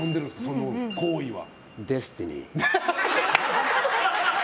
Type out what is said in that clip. その行為は。